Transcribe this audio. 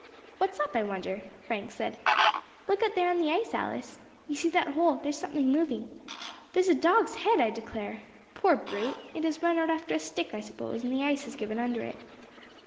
"What's up, I wonder?" Frank said. "Look out there on the ice, Alice. You see that hole; there is something moving there's a dog's head, I declare. Poor brute! it has run out after a stick, I suppose, and the ice has given under it."